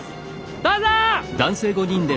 どうぞ！